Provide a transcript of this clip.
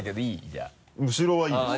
じゃあ後ろはいいよ。